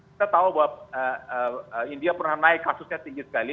kita tahu bahwa india pernah naik kasusnya tinggi sekali